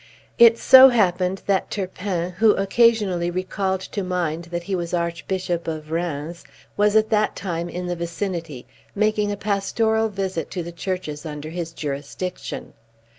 It so happened that Turpin, who occasionally recalled to mind that he was Archbishop of Rheins, was at that time in the vicinity, making a pastoral visit to the churches under his jurisdiction.